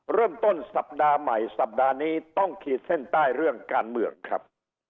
เริ่มต้นสัปดาห์ใหม่สัปดาห์นี้ต้องขีดเส้นใต้เรื่องการเมืองครับ